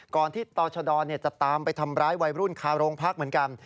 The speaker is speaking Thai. ก่อนที่ต่อชะดอจะตามไปทำร้ายวัยรุ่นคาโรงพักเหมือนกัน